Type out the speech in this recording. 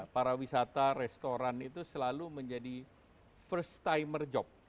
para wisata restoran itu selalu menjadi first timer job